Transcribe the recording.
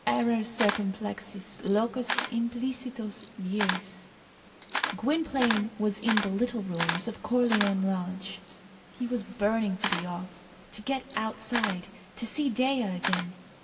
Error circumflexus, locus implicitus gyris. Gwynplaine was in the "little rooms" of Corleone Lodge. He was burning to be off, to get outside, to see Dea again.